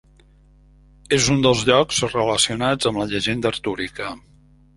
És un dels llocs relacionats amb la llegenda artúrica.